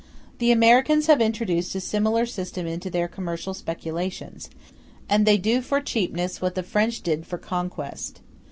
The Americans have introduced a similar system into their commercial speculations; and they do for cheapness what the French did for conquest.